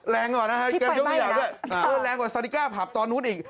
แรงกว่านะฮะแกยกตัวอย่างด้วยแรงกว่าซาดิก้าผับตอนนู้นอีก